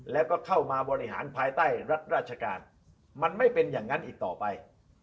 แล้วก็เข้ามาบริหารภายใต้รัฐราชการมันไม่เป็นอย่างนั้นอีกต่อไป